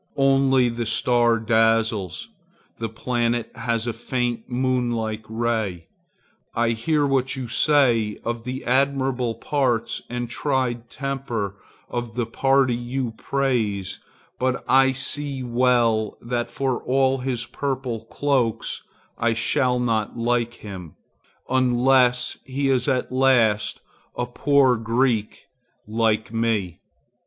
Only the star dazzles; the planet has a faint, moon like ray. I hear what you say of the admirable parts and tried temper of the party you praise, but I see well that for all his purple cloaks I shall not like him, unless he is at last a poor Greek like me.